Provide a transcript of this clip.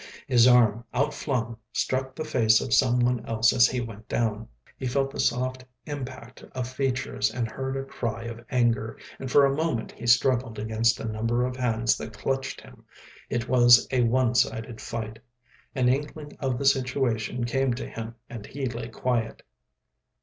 His arm, outflung, struck the face of someone else as he went down; he felt the soft impact of features and heard a cry of anger, and for a moment he struggled against a number of hands that clutched him. It was a one sided fight. An inkling of the situation came to him and he lay quiet.